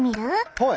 はい。